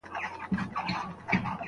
يو صحابي د هغې سره نکاح ته حاضر سو.